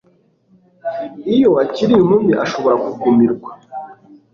iyo akiri inkumi, ashobora kugumirwa